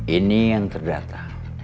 ini yang terdata